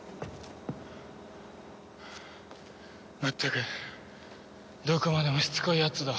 まったくどこまでもしつこいやつだ。